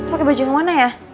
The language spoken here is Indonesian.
pakai baju yang mana ya